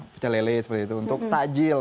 pecel lele seperti itu untuk tajil